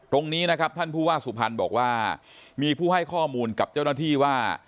ตรงนี้นะครับท่านผู้ว่าสุพรรณบอกว่ามีผู้ให้ข้อมูลกับเจ้าหน้าที่ว่า